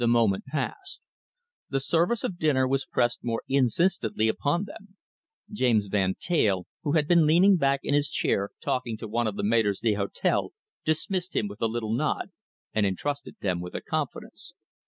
The moment passed. The service of dinner was pressed more insistently upon them. James Van Teyl, who had been leaning back in his chair, talking to one of the maitres d'hotel, dismissed him with a little nod and entrusted them with a confidence.